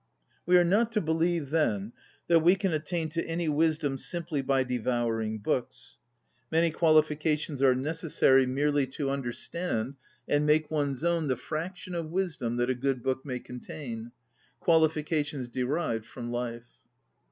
We are not to believe, then, that we can attain to any wisdom simply by devouring books. Many qualifi cations are necessary merely to un IS ON READING derstand and make one's own the fraction of wisdom that a good book may contain, ŌĆö qualifications derived from life.